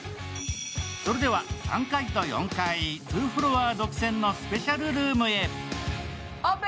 それでは３階と４階、ツーフロア独占のスペシャルルームへ。